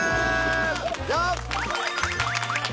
よっ！